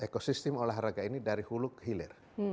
eko sistem olahraga ini dari hulu ke hilir